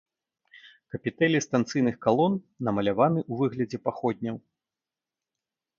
Капітэлі станцыйных калон намаляваны ў выглядзе паходняў.